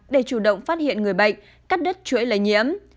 để chủ động phát hiện người bệnh cắt đứt chuỗi lây nhiễm